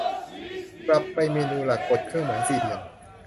กลับไปเมนูหลัก กดเครื่องหมายสี่เหลี่ยม